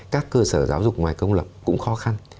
các cơ sở giáo dục ngoài công lập cũng khó khăn